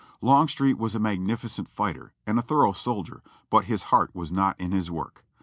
Longstreet was a magnificent fighter and a thorough soldier, but his heart was not in his work.